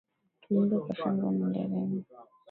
Tuimbe kwa shangwe na nderemo.